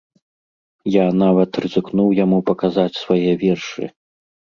Я нават рызыкнуў яму паказаць свае вершы.